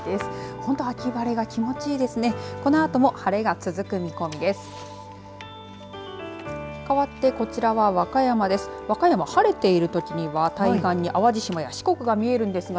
本当秋晴れが気持ち良いですね。